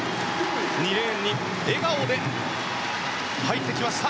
２レーンに笑顔で入ってきました。